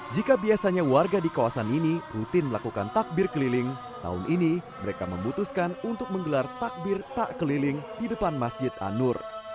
jika biasanya warga di kawasan ini rutin melakukan takbir keliling tahun ini mereka memutuskan untuk menggelar takbir tak keliling di depan masjid anur